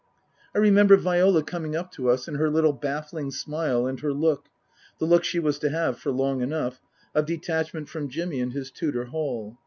I remember Viola coming up to us and her little baffling smile and her look the look she was to have for long enough of detachment from Jimmy and his Tudor hall.